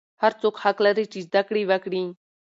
هر څوک حق لري چې زده کړې وکړي.